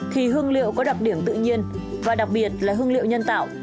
thì hương liệu có đặc điểm tự nhiên và hương liệu nhân tạo